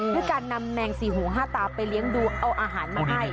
ด้วยการนำแมงสี่หูห้าตาไปเลี้ยงดูเอาอาหารมาให้